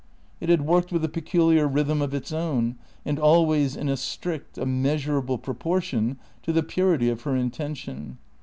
It had worked with a peculiar rhythm of its own, and always in a strict, a measurable proportion to the purity of her intention.